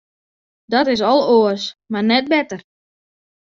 Dat is al oars, mar net better.